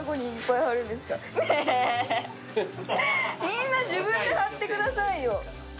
みんな自分で貼ってくださいよ。